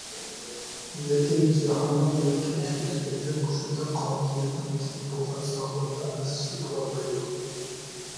لېكىن جاھاننىڭ مۇرەككەپلىكى تۈپەيلى مۇشۇنداق قابىلىيەتنىڭ تېگى بولغان ساغلاملىق ئىزچىل بولالمايدۇ.